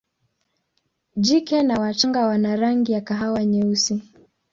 Jike na wachanga wana rangi ya kahawa nyeusi.